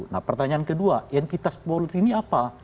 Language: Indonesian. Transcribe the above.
nah pertanyaan kedua entitas bolut ini apa